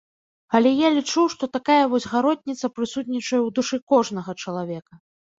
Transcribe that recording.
Але я лічу, што такая вось гаротніца прысутнічае ў душы кожнага чалавека.